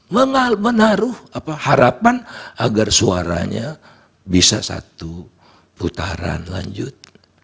menaruh harapan agar suaranya bisa satu putaran lanjut